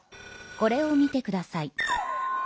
これを見てください。